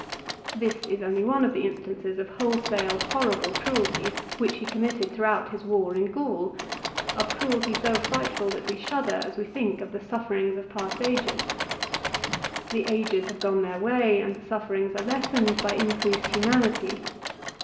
This is only one of the instances of wholesale horrible cruelty which he com mitted throughout his war in Gaul, of cruelty so frightful that we shudder as we think of the sufferings of past ages. The ages have gone their way, and the sufferings are lessened by increased humanity.